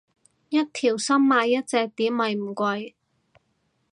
一條心買一隻碟咪唔貴